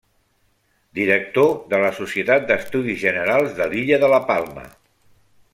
Director de la Societat d'Estudis Generals de l'illa de la Palma.